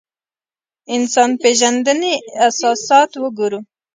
انسان پېژندنې اساسات وګورو.